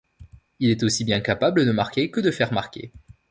Il est aussi bien capable de marquer que de faire marquer.